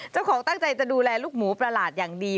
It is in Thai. ตั้งใจจะดูแลลูกหมูประหลาดอย่างดี